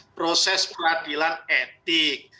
proses peradilan etik